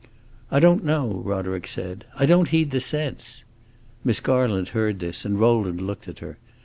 "I don't know," Roderick said, "I don't heed the sense." Miss Garland heard this, and Rowland looked at her.